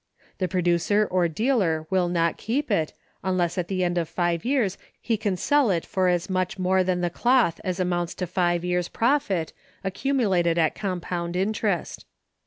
The producer or dealer will not keep it, unless at the end of five years he can sell it for as much more than the cloth as amounts to five years' profit, accumulated at compound interest.